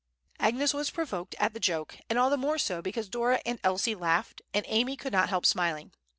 Agnes was provoked at the joke, and all the more so because Dora and Elsie laughed, and Amy could not help smiling.